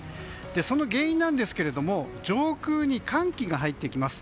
その原因ですけれども上空に寒気が入ってきます。